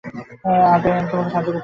আর তাই আমি তোমাকে সাহায্য করতে চাই।